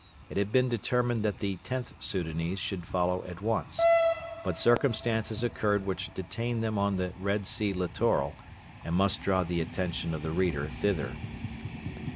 It had been determined that the Xth Soudanese should follow at once, but circumstances occurred which detained them on the Red Sea littoral and must draw the attention of the reader thither.